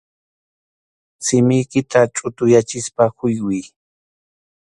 Simiykita chʼutuyachispa huywiy.